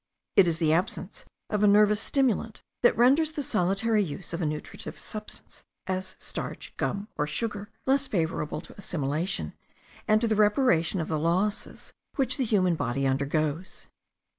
It is the absence of a nervous stimulant that renders the solitary use of a nutritive substance (as starch, gum, or sugar) less favourable to assimilation, and to the reparation of the losses which the human body undergoes.